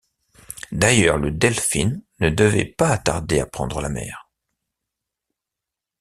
D’ailleurs, le Delphin ne devait pas tarder à prendre la mer.